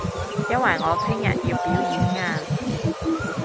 因為我聽日要表演啊